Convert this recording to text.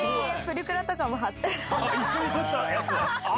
あっ一緒に撮ったやつ！